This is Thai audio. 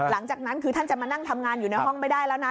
หลังจากนั้นคือท่านจะมานั่งทำงานอยู่ในห้องไม่ได้แล้วนะ